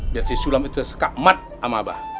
biar si sulam itu sekakmat sama abah